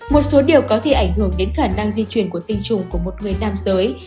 một số điều có thể ảnh hưởng đến khả năng di chuyển của tinh trùng của một người nam giới